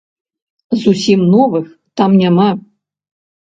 Зусім новых там няма.